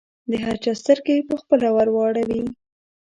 د هر چا سترګې به پخپله ورواوړي.